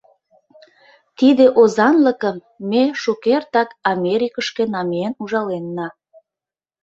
Тиде озанлыкым ме шукертак Америкышке намиен ужаленна.